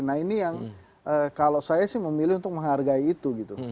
nah ini yang kalau saya sih memilih untuk menghargai itu gitu